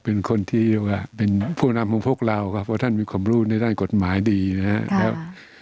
ท่านคุณที่เป็นผู้นำพวกเราเพราะท่านมีความรู้ในกฎหมายดีนะครับ